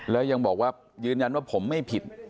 แล้วยังบอกว่ายืนยันว่าผมไม่ผิด